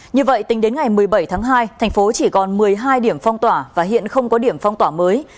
như vậy tính đến ngày một mươi bảy tháng hai thành phố chỉ còn một mươi hai điểm phong tỏa và hiện không có điểm phong tỏa mới